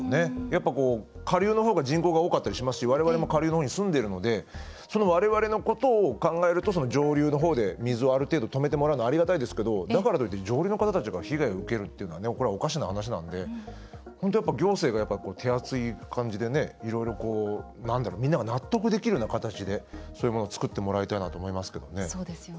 やっぱり下流のほうが人口が多かったりしますしわれわれも下流のほうに住んでるのでそのわれわれのことを考えるとその上流のほうで水をある程度止めてもらうのはありがたいですけどだからといって、上流の方たちが被害を受けるっていうのはこれはおかしな話なので、本当に行政が手厚い感じで、いろいろみんなが納得できるような形でそういうものを作ってもらいたいなと思いますけどね。